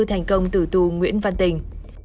thành công tử tù nguyễn văn tình